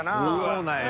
そうなんよ。